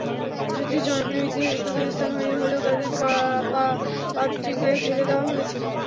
যুদ্ধের জনপ্রিয় ইতিহাসে তাঁদের স্থান হয়নি, হলেও তাঁদের পাদটীকায় ঠেলে দেওয়া হয়েছে।